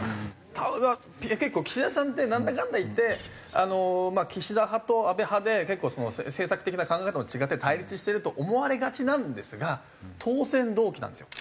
結構岸田さんってなんだかんだ言って岸田派と安倍派で結構政策的な考え方も違って対立してると思われがちなんですが当選同期なんですよ